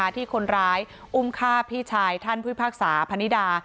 ที่คนร้ายอุ้มฆ่าพี่ชายท่านผู้พิพากษาพนิดา